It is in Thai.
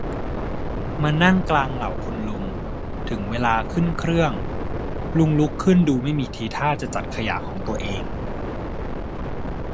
มานั่งกลางเหล่าคุณลุง ถึงเวลาขึ้นเครื่อง ลุงลุกขึ้นดูไม่มีทีท่าจะจัดขยะของตัวเอง